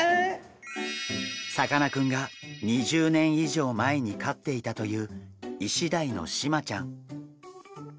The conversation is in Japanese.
さかなクンが２０年以上前に飼っていたというイシダイのシマちゃん。